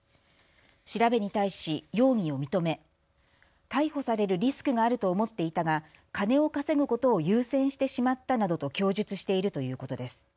調べに対し容疑を認め逮捕されるリスクがあると思っていたが金を稼ぐことを優先してしまったなどと供述しているということです。